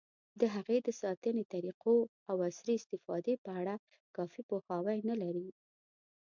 د هغې د ساتنې طریقو، او عصري استفادې په اړه کافي پوهاوی نه لري.